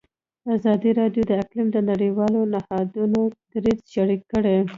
ازادي راډیو د اقلیم د نړیوالو نهادونو دریځ شریک کړی.